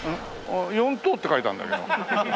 ４等って書いてあるんだけど。